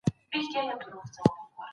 د ناهیلۍ له امله انسان له کاره لویږي.